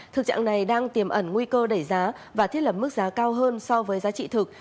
thực trạng này đang tiềm ẩn nguy cơ đẩy giá và thiết lập mức giá cao hơn so với giá trị thực